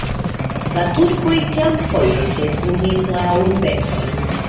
La turkoj kelkfoje detruis la urbeton.